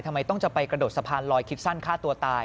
ทำไมต้องจะไปกระโดดสะพานลอยคิดสั้นฆ่าตัวตาย